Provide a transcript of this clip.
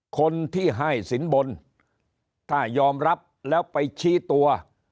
คนที่ให้สินบนถ้ายอมรับแล้วไปชี้ตัว